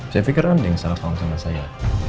saya pikir anda yang salah paham sama saya